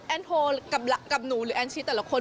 โทรกับหนูหรือแอนชิตแต่ละคน